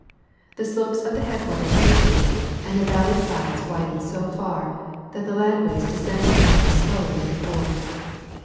The slopes of the headwaters decrease and the valley sides widen so far that the land waste descends from them slower than before.